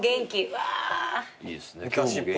いいですね。